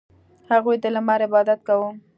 • هغوی د لمر عبادت کاوه.